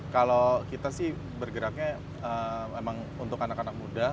kalau kita sih bergeraknya memang untuk anak anak muda